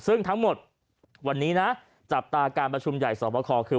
ซึ่งทั้งหมดวันนี้นะจับตาการประชุมใหญ่สอบคอคือ